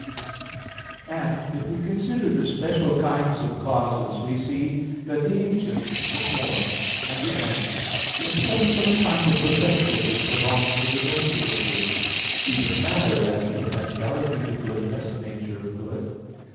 And if we consider the special kinds of causes, we see that the agent, the form, and the end, import some kind of perfection which belongs to the notion of good. Even matter, as a potentiality to good, has the nature of good.